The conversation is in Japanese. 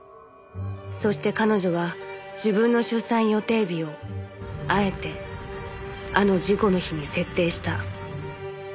「そして彼女は自分の出産予定日をあえてあの事故の日に設定した」